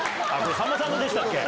さんまさんのでしたっけ？